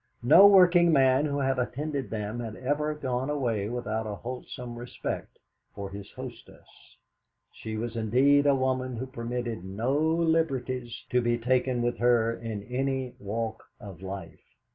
No Working Man who had attended them had ever gone away without a wholesome respect for his hostess. She was indeed a woman who permitted no liberties to be taken with her in any walk of life.